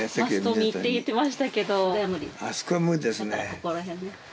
ここら辺ね。